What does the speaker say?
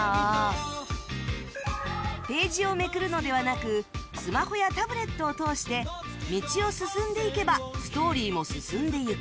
ページをめくるのではなくスマホやタブレットを通して道を進んでいけばストーリーも進んでいく